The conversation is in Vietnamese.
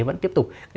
vẫn tiếp tục tiêu cực